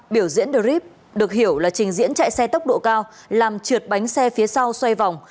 biểu diễn drip được hiểu là trình diễn chạy xe tốc độ cao làm trượt bánh xe phía sau xoay vòng